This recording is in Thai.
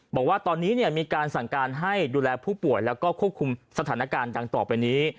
บอกว่าตอนนี้มีการสั่งการให้ดูแลผู้ป่วยแล้วก็ควบคุมสถานการณ์ดังต่อไปนี้